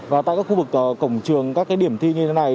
và tại các khu vực cổng trường các điểm thi như thế này